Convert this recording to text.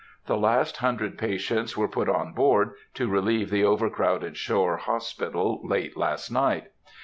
The last hundred patients were put on board, to relieve the over crowded shore hospital, late last night.